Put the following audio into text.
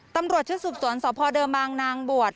ตำรวจชุดสืบสวนสพเดิมบางนางบวช